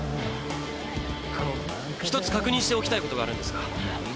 あの一つ確認しておきたいことがあるんですが。